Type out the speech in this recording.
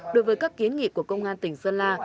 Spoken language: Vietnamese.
đối với các kiến nghị của công an tỉnh sơn la